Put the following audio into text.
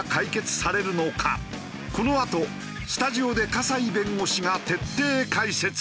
このあとスタジオで河西弁護士が徹底解説。